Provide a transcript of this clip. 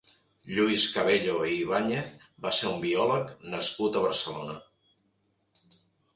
Lluís Cabello i Ibáñez va ser un biòleg nascut a Barcelona.